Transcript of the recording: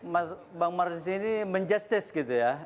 mas bang marsini menjustice gitu ya